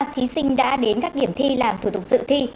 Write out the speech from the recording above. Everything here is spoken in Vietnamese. thí sinh đã đến các điểm thi làm thủ tục dự thi